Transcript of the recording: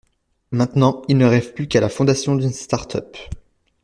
Maintenant, ils ne rêvent plus qu'à la fondation d'une start-up.